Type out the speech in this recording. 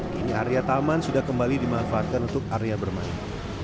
kini area taman sudah kembali dimanfaatkan untuk area bermain